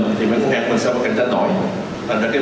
thì mấy ngân hàng của mình sẽ có cạnh tranh nổi